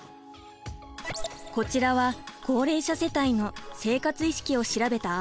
こちらは高齢者世帯の生活意識を調べたアンケート。